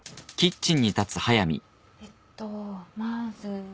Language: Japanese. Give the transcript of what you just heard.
えっとまずは。